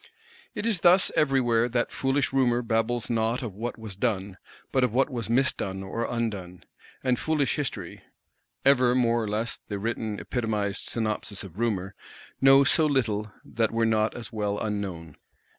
It is thus everywhere that foolish Rumour babbles not of what was done, but of what was misdone or undone; and foolish History (ever, more or less, the written epitomised synopsis of Rumour) knows so little that were not as well unknown.